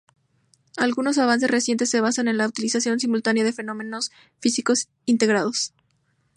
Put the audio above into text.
Algunos avances recientes se basan en la utilización simultánea de fenómenos físicos integrados.